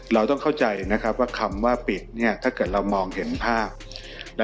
เราต้องเข้าใจนะครับว่าคำว่าปิดถ้าเกิดเรามองเห็นภาพ